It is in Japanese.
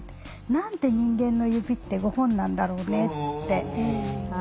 「何で人間の指って５本なんだろうね」って聞いて。